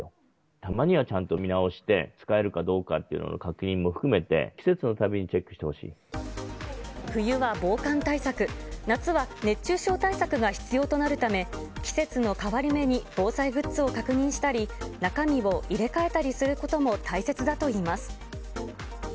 たまにはちゃんと見直して、使えるかどうかっていうのを確認も含めて、冬は防寒対策、夏は熱中症対策が必要となるため、季節の変わり目に防災グッズを確認したり、中身を入れ替えたりすることも大切だといいます。